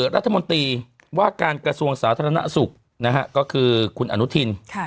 รัฐมนตรีว่าการกระทรวงสาธารณสุขนะฮะก็คือคุณอนุทิน